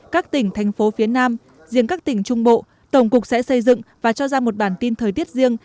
các tỉnh thành phố phía nam riêng các tỉnh trung bộ tổng cục sẽ xây dựng và cho ra một bản tin thời tiết riêng